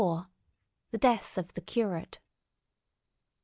IV. THE DEATH OF THE CURATE.